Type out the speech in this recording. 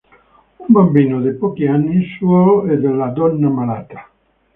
Un bambino di pochi anni, suo e della donna malata.